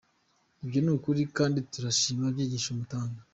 ivyo nukuri kandi turashim inyigisho mutanga.